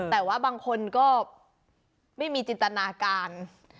แต่ว่าบางคนก็ไม่มีจินตนาการ